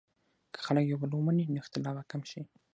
که خلک یو بل ومني، نو اختلاف به کم شي.